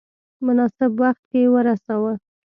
مناسب وخت کې ورساوه.